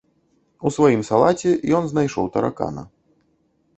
У сваім салаце ён знайшоў таракана.